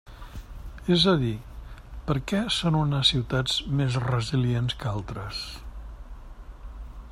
És a dir, ¿per què són unes ciutats més resilients que altres?